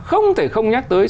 không thể không nhắc tới